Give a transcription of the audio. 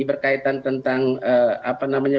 berkaitan tentang apa namanya